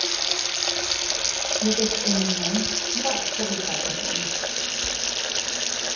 Ndetes kuinnone nwe a dchoy kakayiʼime.